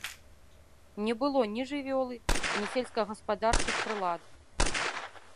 Не было ні жывёлы, ні сельскагаспадарчых прылад.